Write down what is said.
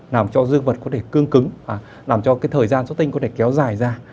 làm cho dương vật có thể cương cứng làm cho cái thời gian cho tinh có thể kéo dài ra